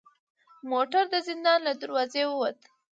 موټر د زندان له دروازې و وت.